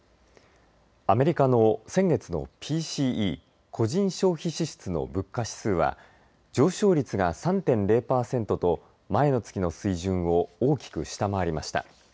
アメリカの先月のＰＣＥ個人消費支出の物価指数は上昇率が３．０パーセントと前の月の水準を大きく下回りました。